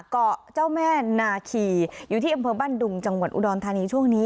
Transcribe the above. เกาะเจ้าแม่นาคีอยู่ที่อำเภอบ้านดุงจังหวัดอุดรธานีช่วงนี้